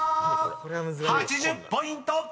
［８０ポイント！